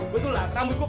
betul lah rambut gue